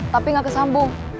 tapi gak kesambung